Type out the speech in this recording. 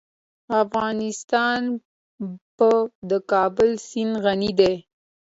افغانستان په د کابل سیند غني دی.